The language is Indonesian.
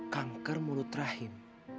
kanker mulut rahim